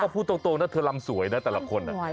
พูดตรงนะเธอรำสวยนะแต่ละคน